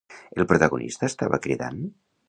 El protagonista estava cridant?